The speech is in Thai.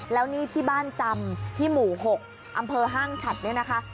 แล้วนี่ที่บ้านจำที่หมู่๖อำเภอห้างฉัดเนี่ยนะคะ